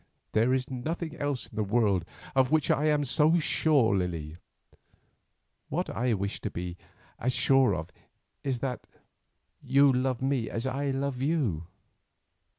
"There is nothing else in the world of which I am so sure, Lily. What I wish to be as sure of is that you love me as I love you."